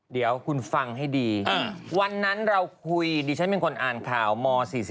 เดี๋ยวคุณฟังให้ดีวันนั้นเราคุยดิฉันเป็นคนอ่านข่าวม๔๔